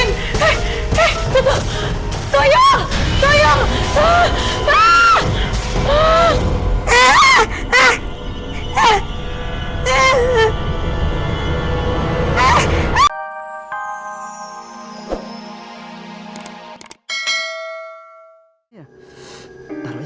ini kok begini botolnya aneh banget nih